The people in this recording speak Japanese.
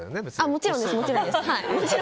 もちろんです。